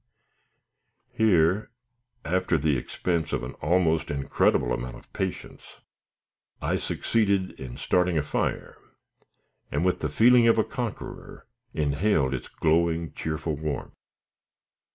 Here, after the expense of an almost incredible amount of patience, I succeeded in starting a fire, and with the feeling of a conqueror inhaled its glowing, cheerful warmth.